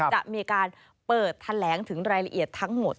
จะมีการเปิดแถลงถึงรายละเอียดทั้งหมด